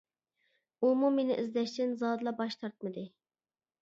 ئۇمۇ مېنى ئىزدەشتىن زادىلا باش تارتمىدى.